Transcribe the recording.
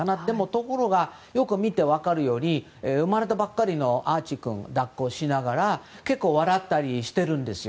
ところが、よく見たら分かるように生まれたばかりのアーチー君を抱っこしながら笑ったりしてるんですよ。